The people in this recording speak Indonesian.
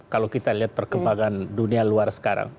kalau kita lihat perkembangan dunia luar sekarang